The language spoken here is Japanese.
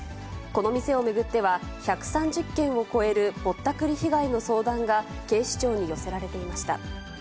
この店を巡っては、１３０件を超えるぼったくり被害の相談が警視庁に寄せられていました。